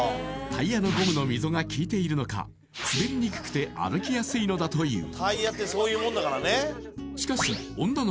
タイヤのゴムの溝が効いているのか滑りにくくて歩きやすいのだという